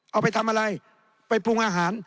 เอาไปทำอะไรไปปรุงอาหาร